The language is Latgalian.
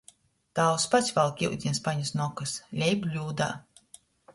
Tāvs pats valk iudiņa spaiņus nu okys, lej bļūdā.